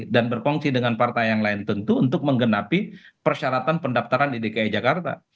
dan berfungsi dengan partai yang lain tentu untuk menggenapi persyaratan pendaftaran di dki jakarta